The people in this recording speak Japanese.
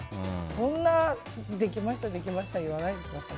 そんなできました、できました